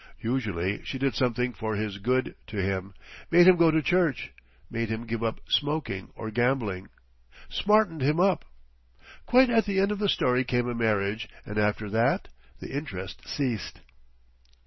Usually she did something "for his good" to him, made him go to church, made him give up smoking or gambling, smartened him up. Quite at the end of the story came a marriage, and after that the interest ceased.